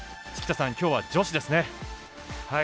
附田さん、きょうは女子ですね。